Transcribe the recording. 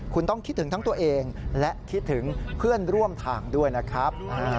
คุณต้องคิดถึงทั้งตัวเองและคิดถึงเพื่อนร่วมทางด้วยนะครับ